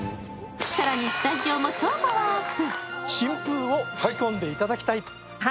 更に、スタジオも超パワーアップ。